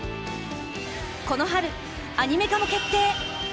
この春アニメ化も決定！